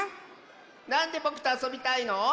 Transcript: なんでぼくとあそびたいの？